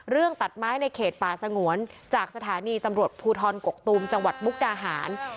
ตัดไม้ในเขตป่าสงวนจากสถานีตำรวจภูทรกกตูมจังหวัดมุกดาหาร